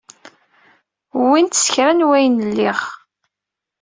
Wwint s kra n wayen liɣ.